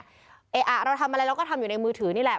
เอ๊ะอ่ะเราทำอะไรเราก็ทำอยู่ในมือถือนี่แหละ